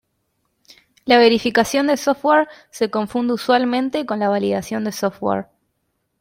La verificación de software se confunde usualmente con la validación de software.